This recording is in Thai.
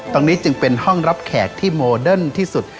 ตรงนี้จึงเป็นห้องรับแขกที่โมเดิร์นที่สุด